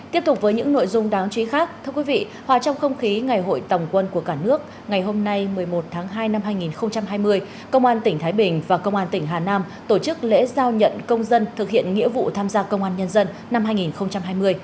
tiếp tục với những nội dung đáng chú ý khác thưa quý vị hòa trong không khí ngày hội tổng quân của cả nước ngày hôm nay một mươi một tháng hai năm hai nghìn hai mươi công an tỉnh thái bình và công an tỉnh hà nam tổ chức lễ giao nhận công dân thực hiện nghĩa vụ tham gia công an nhân dân năm hai nghìn hai mươi